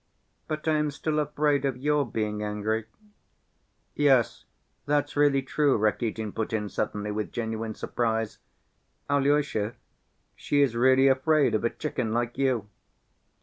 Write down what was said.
"But I am still afraid of your being angry." "Yes, that's really true," Rakitin put in suddenly with genuine surprise. "Alyosha, she is really afraid of a chicken like you."